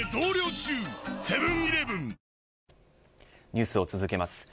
ニュースを続けます。